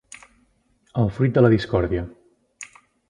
El fruit de la discòrdia.